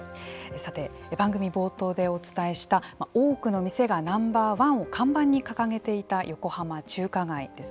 番組冒頭でお伝えした多くの店がＮｏ．１を看板に掲げていた横浜中華街。